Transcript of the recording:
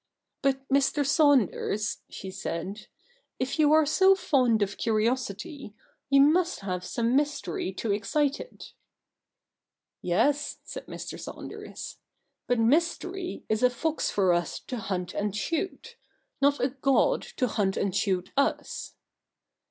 But, Mr. Saunders,' she said, ' if you are so fond of curiosity, you must have some myster}' to excite it.' 'Yes,' said Mr. Saunders, ' but mystery is a fox for us to hunt and shoot : not a God to hunt and shoot us.'